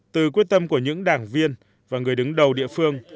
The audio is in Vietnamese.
từ quyết tâm của những đảng viên và người đứng đầu địa phương